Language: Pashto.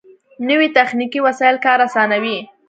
نوې تخنیکي وسایل کار آسانوي